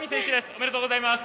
おめでとうございます。